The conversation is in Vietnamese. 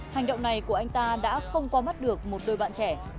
hành động này của anh ta đã không qua mắt được một đôi bạn trẻ